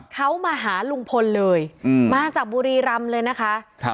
เขามาหาลุงพลเลยมาจากบุรีรำเลยนะคะ